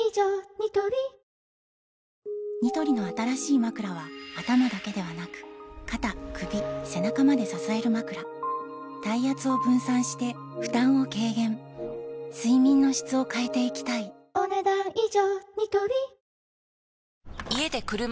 ニトリニトリの新しいまくらは頭だけではなく肩・首・背中まで支えるまくら体圧を分散して負担を軽減睡眠の質を変えていきたいお、ねだん以上。